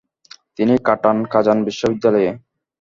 তিনি কাটান কাজান বিশ্ববিদ্যালয়ে।